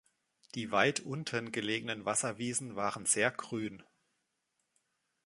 Die weit unten gelegenen Wasserwiesen waren sehr grün.